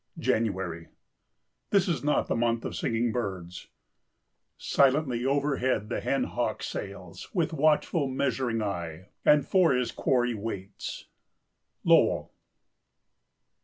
January. This is not the month of singing birds. "Silently overhead the hen hawk sails With watchful, measuring eye, and for his quarry waits." —Lowell.